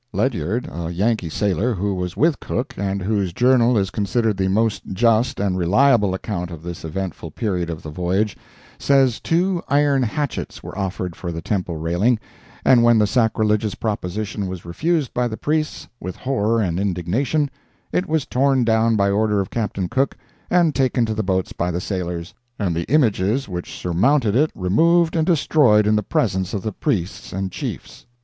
Ledyard, a Yankee sailor, who was with Cook, and whose journal is considered the most just and reliable account of this eventful period of the voyage says two iron hatchets were offered for the temple railing, and when the sacrilegious proposition was refused by the priests with horror and indignation, it was torn down by order of Captain Cook and taken to the boats by the sailors, and the images which surmounted it removed and destroyed in the presence of the priests and chiefs.